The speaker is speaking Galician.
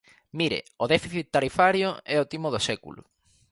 Mire, o déficit tarifario é o timo do século.